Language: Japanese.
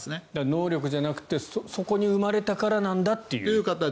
能力じゃなくてそこに生まれたからなんだと。